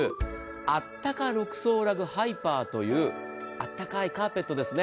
あったか６層ラグハイパーという暖かいカーペットですね。